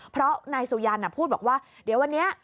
เพราะนายสุยันพูดบอกว่าเดี๋ยววันนี้